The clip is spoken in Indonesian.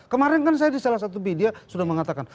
kemarin kan saya di salah satu media sudah mengatakan